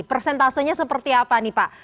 persentasenya seperti apa nih pak